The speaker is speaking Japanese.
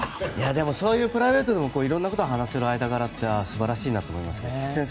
そういうプライベートでも色んなことを話せる間柄って素晴らしいと思います。